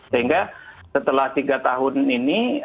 sehingga setelah tiga tahun ini